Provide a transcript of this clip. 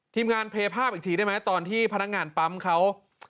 ทีมงานเพลย์ภาพอีกทีได้ไหมตอนที่พนักงานปั๊มเขา